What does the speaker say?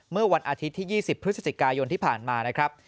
เมื่อวันอาทิตย์ที่๒๐พฤศจิกายนที่ผ่านมานะครับ